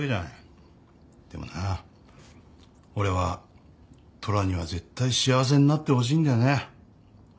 でもな俺はトラには絶対幸せになってほしいんだよね。